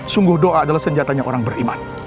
sungguh doa adalah senjatanya orang beriman